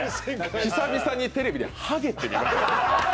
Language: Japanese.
久々にテレビで「ハゲ」って見ました。